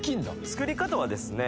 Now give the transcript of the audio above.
作り方はですね